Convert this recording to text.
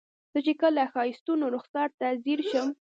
زه چې کله د ښایستونو رخسار ته ځیر شم.